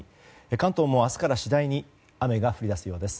関東も明日から次第に雨が降り出すようです。